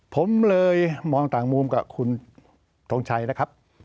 ผมเลยมองต่างมุมกับคุณทงชัยนะครับ